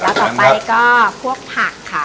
แล้วต่อไปก็พวกผักค่ะ